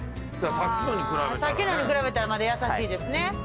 さっきのに比べたらまだ優しいですね。